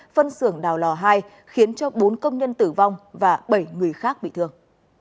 phân xưởng đào lò hai khiến cho bốn công nhân tử vong và bảy người khác bị thương